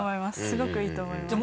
すごくいいと思います。